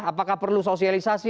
apakah perlu sosialisasi